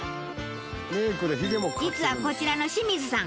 実はこちらの清水さん